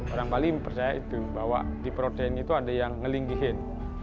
orang bali percaya itu bahwa di protein itu ada yang ngelinggihin